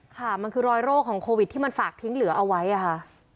ค่ะมันคือรอยโรคของโควิดที่มันฝากทิ้งเหลือเอาไว้ค่ะ